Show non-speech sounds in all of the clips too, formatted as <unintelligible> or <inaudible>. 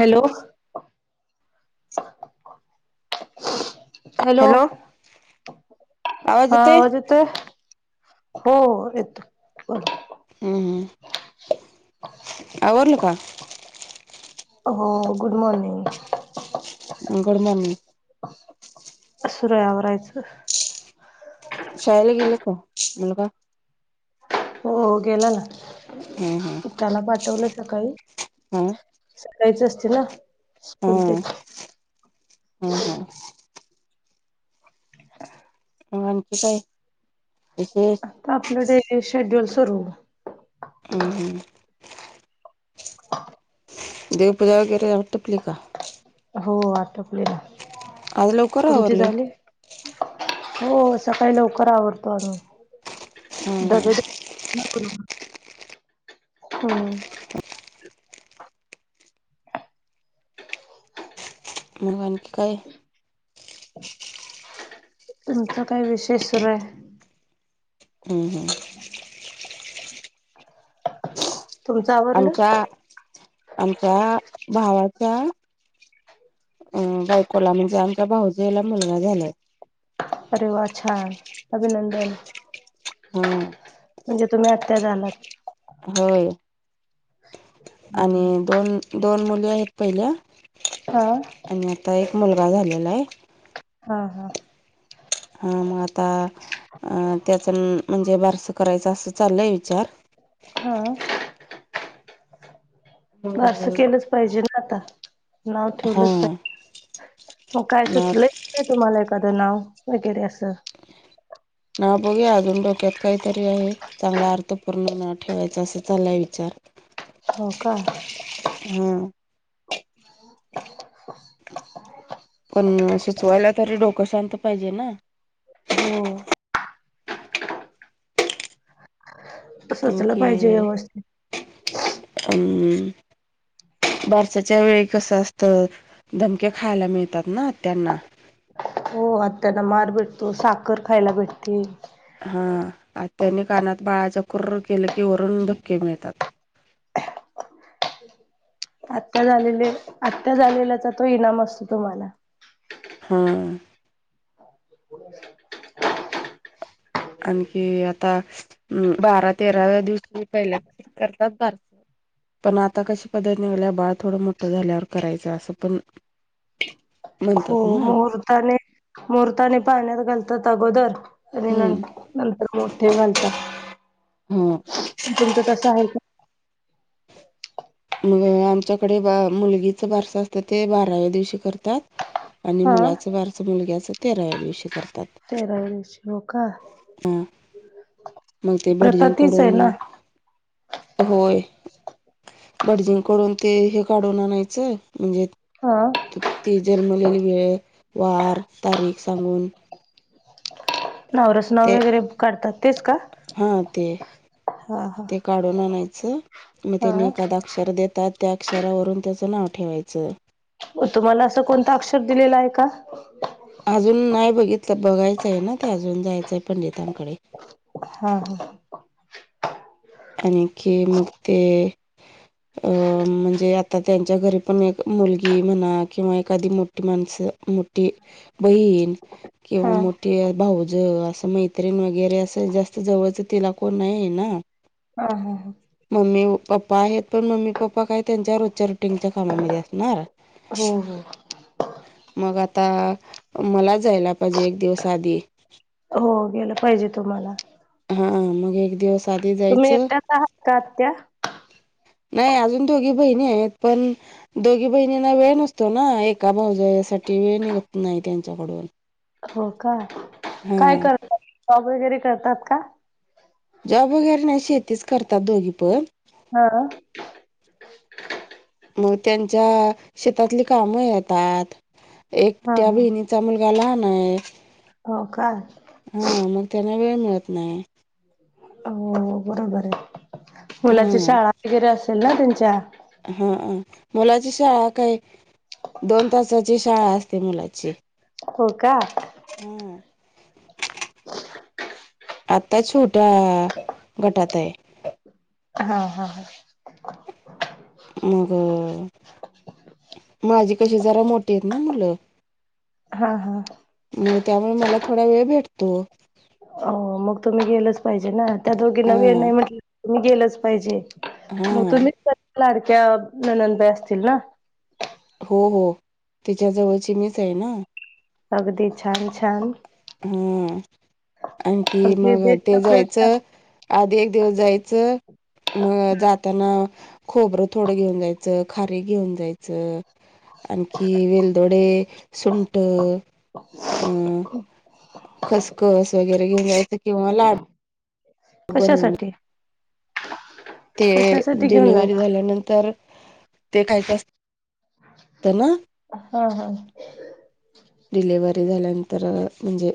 Hello hello आवाज हा येतोय वाज हो येत हम् हम् आर लो का हो गुड मॉर्निंग गुड मॉर्निंग असरयावरयचं ह शाला गेले काो मुल का हो गेलंन हम् हम् त्याला पाठवलं सकाळी सकाळीच असते ना स्कूल हम त्याची हम हं ह आणच काय इसेे त आपलं डेली शेड्युल सुरू हम्म हम्म. <inaudible> देवपूजा वगैरेव टपली का हो आटपलेला आज लवकर तुमची आवरली झाली हो सकाळी लवकर आवडतो आम्ही हम्म डब हम्म नको नको हो. मग आणखी काय? तुमचा काय विशेष सुरुय? हम्म हम्म. तुमचं आमच्या आवरलं आमच्या भायाच्या अं बायकोला म्हणजे आमच्या भाऊजईला मुलगा झालयं. अरे वा! छान अभिनंदन. हम्म. म्हंजे तुम्हीं अत्या झालात? होय. हा आणि दोन दोन मुली हायेत पहिल्या हा. आणि आता एक मुलगा झालेला आहे. हा हा. हा मग आता अ त्याच म्हणजे बारस करायचं असं चाललंय विचार. हां बारस हम्म. केलंच पाहिजेल आता नाव हा ठेवलंच पाहि मगं काय ना सुचलंय? <unintelligible> तुम्हाला एखादं नाव वगैरे असं. हां बघूया अजून डोक्यात काहीतरी आहे. चांगला अर्थ पूर्ण नाव ठेवायचा असा चाललाय विचार. हव का? हम्म. पण सुचवायला तर डोकं शांत पाहिजे ना. हो. सुचलं आणखी पाहिजे व्यवस्थित अम बारसाच्या वेळी कसं असतं धमके खायला मिळतात ना आत्यांना. हो आत्यांना मार भेटतो साखर खायला भेटती. हां आत्यांने कानात बाळाच्या कुर्र केलं की वरून धपके मिळतातं. आत्या झालेले आत्या झालेल्याचा तो इनाम असतो तुम्हांला. हां. <inaudible> आणखी आता म बारा तेराव्या दिवशी पहिल्या <unintelligible> करताात बारस. पण आता कशी पद्धत निघलिया बाळ थोडं मोठं झाल्यावर करायचं असं पण <inaudible> हो ना. मुहूर्ताने मुहूर्ताने पाण्यात घालतात अगोदर आणि हम्म नंतर मोठे हा घालतात तुमचं तसं हाये का? मअ आमच्याकडे बा मुलगीच बारस असतं ते बाराव्या दिवशी करतात आणि का हा मुलाचं बारसं मुलग्याचं तेराव्या दिवशी करतात. अन श हो का? हां मग ते प्रथा भटजींन तीच आहे कडून ना अ होय भडजिंग कडून ते हे काढून आणायचं म्हंजे हा. त ती जन्मलेली वेळ वार तारीख सांगून नाव रास नाव ते वगैरे काढतात तेच का? हा ते हा हा ते काढून आणायचं मग त्यांनी हा एखादा अक्षर देतात त्या कक्षरावरून त्याचं नाव ठेवायचं तुम्हाला असं कोणता अक्षर दिलेला आहे का. आजून नाही बघितलं बघायचं आहे ना ते अजून जायचंय पंडितांकडे. हा हा. आणिखी मग ते अ म्हणजे आता त्यांच्या घरी पण एक मुलगी म्हणा किंवा एखादी मोठी माणसं मोठी बहीण किंवा हा मोठी भाऊज असं माह तन वगैरे असं जास्त जवळचं तिला कोण नाही आहे ना हा हा हा. मम्मी पप्पा आहेत पण मम्मी पप्पा काय त्यांच्या रोजच्या रोटींच्या कामामध्ये असणार. हो हो हो. मग आता मला जायला पाहिजे एक दिवस आधी हो गेलं पाहिजे तुम्हाला. हा मग एक दिवस आधी तुम्हीच जायचं एकटाच आहात का आत्या? नाही अजून दोघी बहिणी आहेत पण दोघी बहिणींना वेळ नसतो ना एका भाऊज साठी वेळ निघत नाही त्यांच्याकडून हो का हा काय करतात जॉब वगैरे करतात का. जॉब वगैरे नाही शेतीच करतात दोघी पण हा. मग त्यांच्या शेतातली काम येतात एक हा त्या्या हा बहिणी चा मुलगा लाहान आहे. हो का. हा मग त्यांना वेळ मिळत नाही. हो बरोबर आहे मुलाची हा शाळा वगैरे असेल ना त्यांच्या हाा मुलाची शाळा काय दोन तासाची शाळा असते मुलाची हो का. हम्म. आत्ता छोट्या गटात आहे. हा हा हा. मग माझी कशी जरा मोठी आहेत ना मुलं. हा हा हा. मग त्यामुळे मला थोडा वेळ भेटतो अ मग तुम्ही गेलंच पाहिजे ना त्या दोघी हा नवी नाही म्हटलं तुम्ही गेलंच पाहिजे. हा मग तुम्हीच लाडक्या ननंदबाई असतील ना. हो हो तिच्या जवळची मीच आहे ना. अगदी छान छान. हम्म आणखी अगदी मग बेस्ट ते आपलं जायचं आधी एक दिवस जायचं अ जाताना खोबरं थोडं घेऊन जायचं खारी घेऊन जायचं आणखी वेलदोडे सुंट अ <unintelligible> खसखस वगैरे घेऊन जायचं किंवा लाड कशासाठी ते कशासाठी घेऊन डिलिव्हरी जाणार झाल्यानंतर ते काही कात ना हा हा. डिलेवरी झाल्यानंतर म्हणजे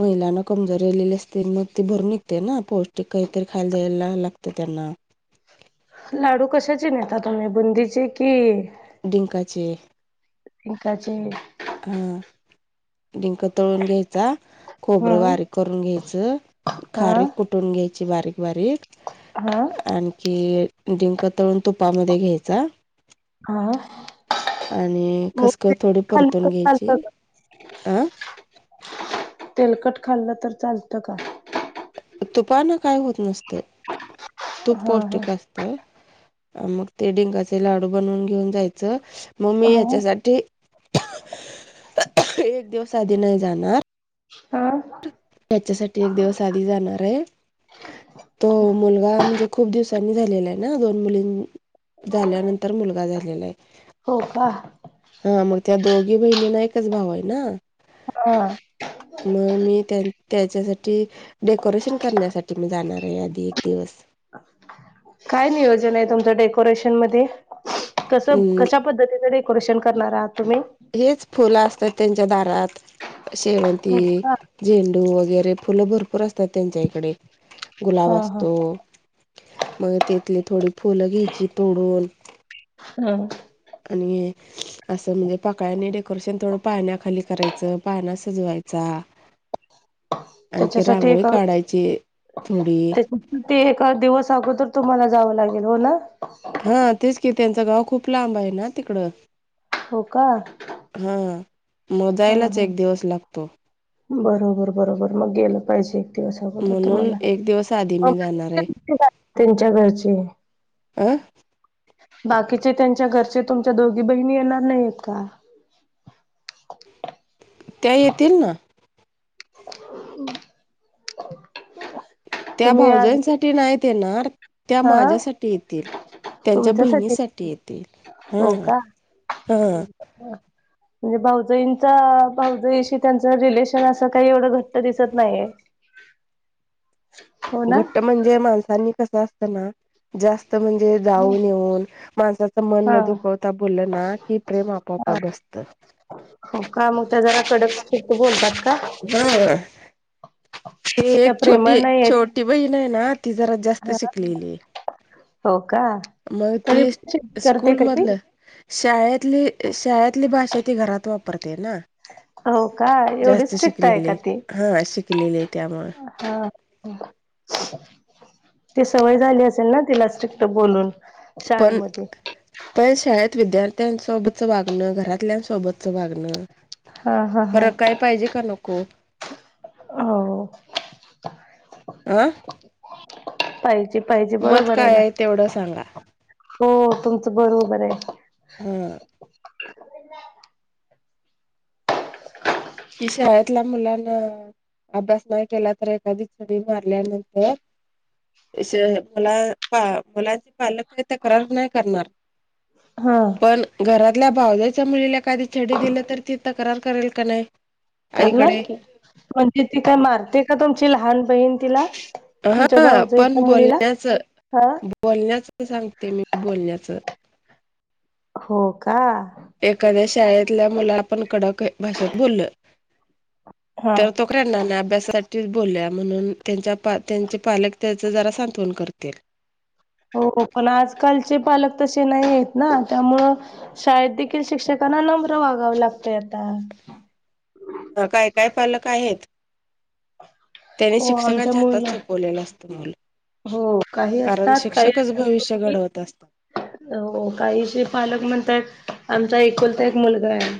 महिलांना कमजोरी रालेली असते मग ती भरून निघते ना पौष्टिक काहीतरी खायला द्यायला लागते त्यांना. लाडू कशाचे नेता तुम्ही बुंदीचे कि डिंकाचे इंकाचे हा. लिंक तळून घ्यायचा खोबरं हम्म बारीक करून घ्यायचं. हा खारीक कुठून घ्यायची बारीक बारीक हा आणखी िंक तळून तुपामध्ये घ्यायचा हा. आणि मग ते खसखस थोडी खाल्लं तर परतून चालतं घ्यायची का? अं तेलकट खाल्लं तर चालतं का तुपानं काय होत नसत तूप हा हा पौष्टिक असत मग ते डिंकाचे लाडू बनवून घेऊन जायचं मग मी हा हच्यासाठी एक दिवस आधी नाही जाणार हं त्याच्यासाठी एक दिवस आधी जाणार आहे तो मुलगा म्हणजे खूप दिवसांनी झालेला आहे ना दोन मुलीं झाल्यानंतर मुलगा झालेला आहे हो का हा मग त्या दोघी बहिणीना एकच भाव आहे ना हा मग मी त्यां त्याच्यासाठी डेकोरेशन करण्यासाठी मी जाणार आहे आधी एक दिवस काय नियोजन आहे तुमच डेकोरेशन म कस अम् कश पद्धतीच डेकोेन करणार आहात तुम्ही हेच फुलं असतात त्यांच्या दारात शेवंती का झेंडू वगैरे फुलं भरपूर असतात त्यांच्या इकडे गुलाब हा हा असतो मग तेथली थोडी फुलं घ्यायची तोडून ह् आणि असं म्हणजे पाकळ्यांने डेकोरेशन थोडं पाण्याखाली करायचं पाहण्या सजवायचा आणखी त्याच्यासाठी रांगोळी काढायची थोडी ते एका दिवस अगोदर तुम्हाला जावं लागेल हो ना हा तेच की त्यांचं गाव खूप लांब आहे ना तिकडं होका हा म जाायलाच एक दिवस लागतो बरोबर बरोबर मग गेलं पाहिजे दिवस अगत म्हणून तुम्हाला एक दिवस आधी मी जाणार आहे त्यांच्या घरचे आं बाकीचे त्यांच्या घरचे तुमच्या दोघी बहिणी येणार नाही आहेत का त्या ये ततीलल ना हम् त्या तुम्ही आज भाऊजंसाठीठी नाही दे येणार त्या हा माझ्यासाठी येतील त्यांच्या तुमच्यासाठी बहिणीसाठी येतील हा हां हम म्हणजे भाऊजईंचा भाऊजईशी त्यांचं रिलेशन असं काही एवढं घट्ट दिसत नाही घट्ट म्हणजे माणसांनी कसं असत ना जास्त म्हणजे जाऊन येऊन माणसाचं मन हा न दुखवता बोललं ना की प्रेम आपोआप बसतं हो का मग त्या जना कडकट्ट बोलतात का बर त त्या एक प्रेमळ छोटी नाही आहेत छोटी बहीण आहे ना ती जरा जास्त हा शिकलेली हो का मग ती तरी करते स्कूल का ती? मधल शाळेतली शाळेतली भाषा ती घरात वापरते ना हो का एवढी जास्त स्ट्रिक्ट आहे का शिकलेले ती? हा शिकलेले त्यामु हा ती सवय झाली असेल ना तिला स्ट्रिक्ट बोलून पण शाळेमध्ये प शाळेत विद्यार्थ्यां सोबतचं वागणं घरातल्यां सोबतचं वागणं हा हा हा फरक काय पाहिजे का नको हो आं पाहिजे पाहिजे मत बरोबर आहे काय तेवढं ना सांगा हो तुमचं बरोबबर आहे हम कि शाळेतल्या मुलांना अभ्यास नाही केला तर एखादी चडी मारल्यानंतर मला मुलांचे पालक आहे तक्रार नाही करणार हां पण घरातल्या भावज्याच्या मुलीला कधी छडी दिलं तर ती तक्रार करेल का नाही करणार आईकडे की म्हणजे ती काय मारते का तुमची लहान बहीण तिला तुमच्या हा भावच इच्या मुलीला हा बोलण्याचं सांगते मी बोलण्याचं हो का एखाद्या शाळेतल्या मुला आपण कडक भाषेत बोलल हा तर तो क्रंडना अभ्यासासाठीच बोलल्या म्हणून त्यांच्या पा त्यांचे पालक त्याच जरा सांत्वन करतील हो पण आजकालचे पालक तसे नाही आहेत ना त्यामुळं शाळेत देखील शिक्षकांना नम्र वागावं लागतय आता ह काय काय पालक आहेत त्याने हो आमच्या शिक्षकांच्या हातात मुलं सोपवलेलं असतं मुलं हो काही असतात काही असतात भविष्य गोष्टी घडवत असतात हो काहीशी पालक म्हणतात आमचा एकलता एक मुलगा आहे